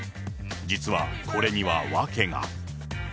実はこれには訳が。